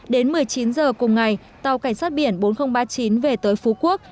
đến một mươi chín h cùng ngày tàu cảnh sát biển bốn nghìn ba mươi chín về tới phú quốc